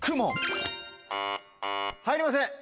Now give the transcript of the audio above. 入りません。